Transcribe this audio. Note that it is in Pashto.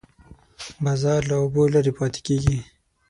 باز له اوبو لرې پاتې کېږي